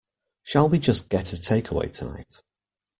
Shall we just get a takeaway tonight?